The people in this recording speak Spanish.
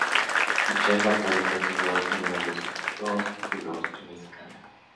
Michele Bartoli consiguió el primero de sus dos títulos en esta carrera.